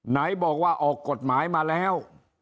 ไหนบอกว่าออกกฎหมายมาแล้ว